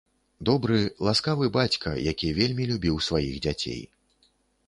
Добры, ласкавы, бацька, які вельмі любіў сваіх дзяцей.